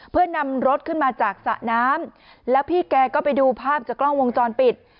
เพื่อนำรถขึ้นมาจากสระน้ำแล้วพี่แกก็ไปดูภาพจากกล้องวงจรปิด